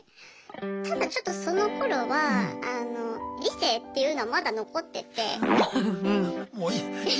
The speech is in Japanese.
ただちょっとそのころは理性っていうのはまだ残ってて。